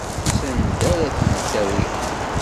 Sanda ara ten-tawi?